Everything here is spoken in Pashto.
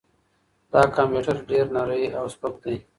دا کمپیوټر ډېر نری او سپک دی.